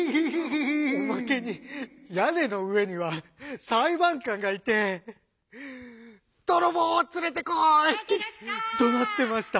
「おまけに屋根の上には裁判官がいて『泥棒を連れてこい』ってどなってました」。